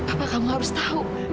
apa kamu harus tahu